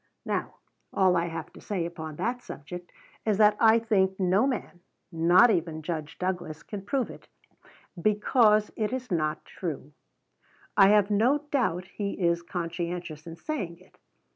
Now all I have to say upon that subject is that I think no man not even Judge Douglas can prove it, because it is not true. I have no doubt he is "conscientious" in saying it.